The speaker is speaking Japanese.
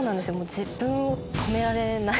「自分を止められない」。